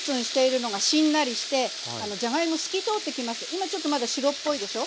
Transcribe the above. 今ちょっとまだ白っぽいでしょ？